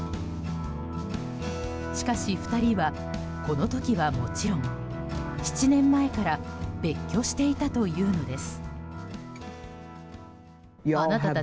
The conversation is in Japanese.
しかし２人は、この時はもちろん７年前から別居していたというのです。